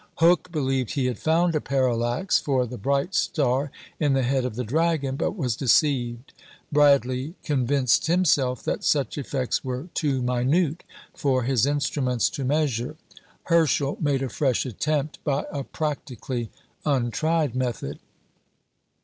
Hooke believed he had found a parallax for the bright star in the Head of the Dragon; but was deceived. Bradley convinced himself that such effects were too minute for his instruments to measure. Herschel made a fresh attempt by a practically untried method.